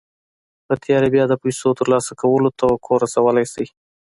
په تېره بيا د پيسو ترلاسه کولو توقع رسولای شئ.